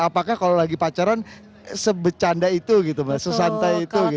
apakah kalau lagi pacaran sebecanda itu gitu mbak sesantai itu gitu